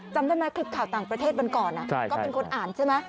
จำได้ไหมคลิปข่าวต่างประเทศวันก่อนก็เป็นคนอ่านใช่ไหม